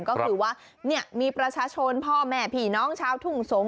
ก็คือว่ามีประชาชนพ่อแม่พี่น้องชาวทุ่งสงศ